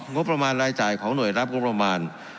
งบประมาณรายจ่ายของหน่วยรับงบประมาณ